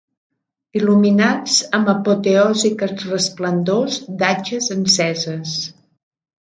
Il·luminats amb apoteòsiques resplendors d'atxes enceses